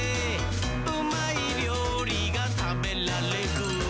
「うまいりょうりがたべらレグ！」